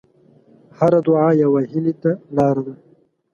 هره دعا یوه هیلې ته لاره ده.